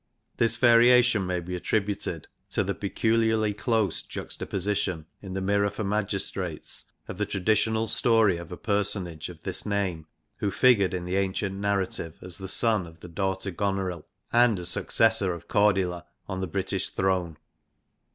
This variation may be attributed to the peculiarly close juxtaposition in the Mirror for Magistrates of the traditional story of a personage of this name who figured in the ancient narrative as a son of the daughter Goneril, and as j successor of Cordila on the British throne.